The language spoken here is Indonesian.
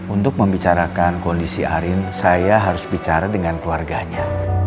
untuk membicarakan kondisi arin saya harus bicara dengan keluarganya